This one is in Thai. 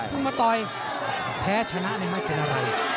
พึ่งมาต่อยแพ้ชนะในร้าย